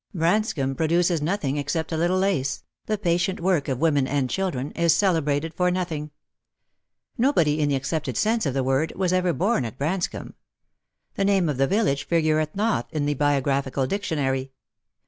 Branscomb pro duces nothing except a little lace — the patient work of women and children — is celebrated for nothing. Nobody, in the ac cepted sense of the word, was ever born at Branscomb. The name of the village figureth not in the Biographical Dictionary.